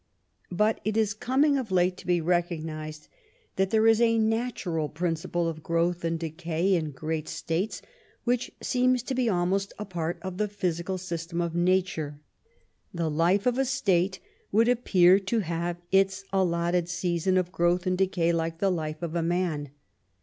But it is coming of late to be recognized that there is a natural principle of growth and decay in great states which seems to be almost a part of the physical system of nature. The life of a state would appear to have its allotted season of growth and decay like the life of a man.